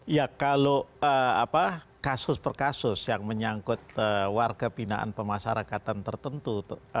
ya kalau kasus per kasus yang menyangkut warga pinaan pemasarakatan tertentu